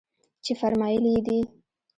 چې فرمايلي يې دي.